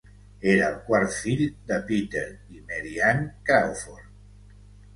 Era el quart fill de Peter i Mary Ann Crawford.